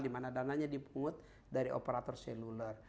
di mana dananya dipungut dari operator seluler